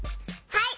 はい！